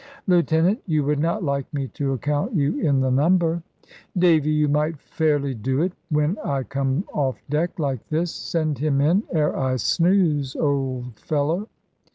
"Lieutenant, you would not like me to account you in the number." "Davy, you might fairly do it, when I come off deck, like this. Send him in, ere I snooze, old fellow."